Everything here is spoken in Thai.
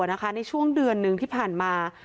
ในช่วงเดือนหนึ่งที่ผ่านมา